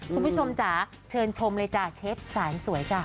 คุณผู้ชมจ๋าเชิญชมเลยจ้ะเชฟแสนสวยจ้ะ